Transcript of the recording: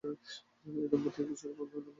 এই দম্পতির কিশোর খান নামে একটি ছেলে রয়েছে।